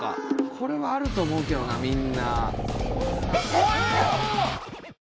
これはあると思うけどなみんな。